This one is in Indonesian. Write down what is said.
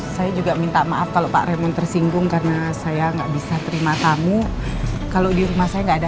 saya tahu ibu orang yang kuat saya tahu banget